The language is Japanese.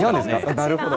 なるほど。